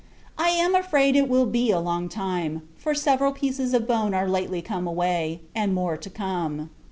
I am afraid it will be a long time; for several pieces of bone are lately come away, and more to come.